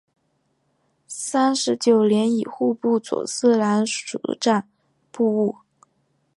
三十九年以户部左侍郎署掌部务。